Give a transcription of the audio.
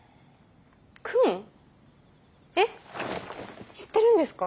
えっ知ってるんですか？